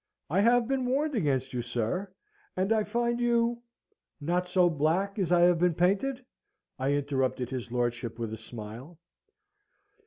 I have been warned against you, sir, and I find you " "Not so black as I have been painted," I interrupted his lordship, with a smile.